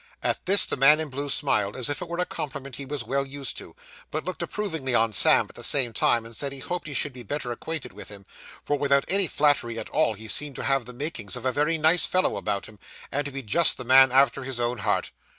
At this the man in blue smiled, as if it were a compliment he was well used to; but looked approvingly on Sam at the same time, and said he hoped he should be better acquainted with him, for without any flattery at all he seemed to have the makings of a very nice fellow about him, and to be just the man after his own heart.